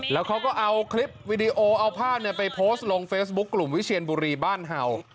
แล้วเขาก็เอาคลิปวิดีโอเอาภาพไปโพสต์ลงเฟซบุ๊คกลุ่มวิเชียนบุรีบ้านเห่า